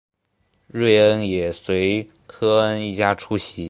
瑞恩也随科恩一家出席。